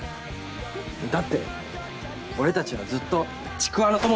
だって俺たちはずっとちくわの友だろ？